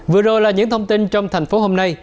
vừa rồi là những thông tin trong thành phố hôm nay